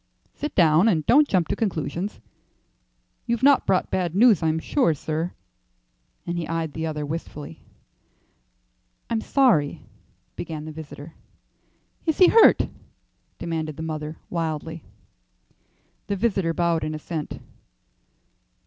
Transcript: "Sit down, and don't jump to conclusions. You've not brought bad news, I'm sure, sir;" and he eyed the other wistfully. "I'm sorry " began the visitor. "Is he hurt?" demanded the mother, wildly. The visitor bowed in assent.